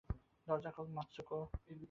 দরজা খোল, মাতসুকো!